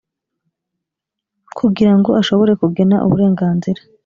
Kugira ngo ashobore kugena uburenganzira